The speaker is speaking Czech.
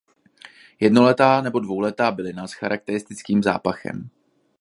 Jednoletá nebo dvouletá bylina s charakteristickým zápachem.